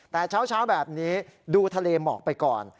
แต่เช้าแบบนี้ดูทะเลหมอกไปก่อน